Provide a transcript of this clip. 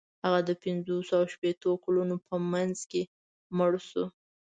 هغه د پنځوسو او شپیتو کلونو په منځ کې مړ شو.